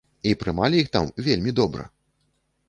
І прымалі іх там вельмі добра!